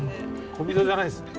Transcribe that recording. コビトじゃないですね。